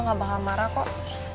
gak bakal marah kok